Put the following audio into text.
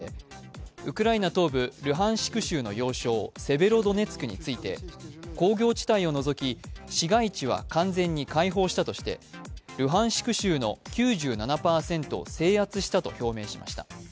ショイグ国防相は８日、ロシア軍幹部との会議で、ウクライナ東部ルハンシク州の要衝セベロドネツク州について工場地帯のうち市街地は完全に開放したとしてルハンシク州の９７％を制圧したと表明しました。